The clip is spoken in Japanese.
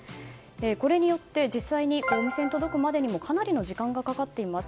これによって、実際にお店に届くまでにもかなりの時間がかかっています。